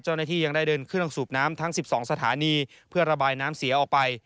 เจ้าหน้าที่ยังได้เดินเครื่องสูบน้ำทั้ง๑๒สถานีเพื่อระบายน้ำเสียออกไป